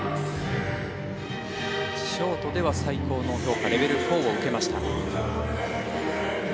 ショートでは最高の評価レベル４を受けました。